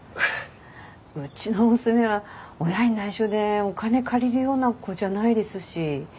うちの娘は親に内緒でお金借りるような子じゃないですし。